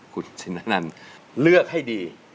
คุณชินันเลือกให้ดี